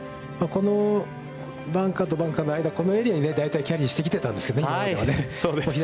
このバンカーとバンカーの間、この間にキャリーしてきてたんですけどね、今までは。